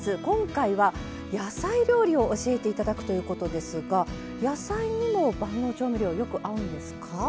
今回は野菜料理を教えて頂くということですが野菜にも万能調味料よく合うんですか？